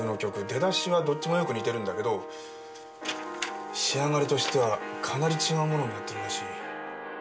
出だしはどっちもよく似てるんだけど仕上がりとしてはかなり違うものになってるらしい。